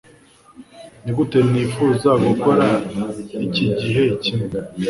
nigute nifuza gukora iki gihe kimwe